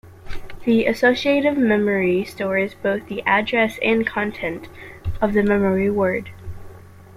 The associative memory stores both the address and content of the memory word.